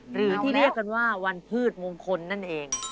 หรือที่เรียกกันว่าวันพืชมงคลนั่นเอง